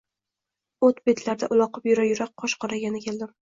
O‘t-betlarda uloqib yura-yura qosh qorayganda keldim.